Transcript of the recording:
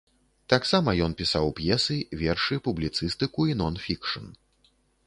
Таксама ён пісаў п'есы, вершы, публіцыстыку і нон-фікшн.